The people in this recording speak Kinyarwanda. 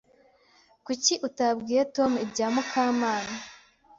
Kuki utabwiye Tom ibya Mukamana?